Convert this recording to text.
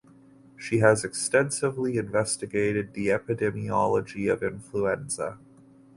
She has extensively investigated the epidemiology of influenza.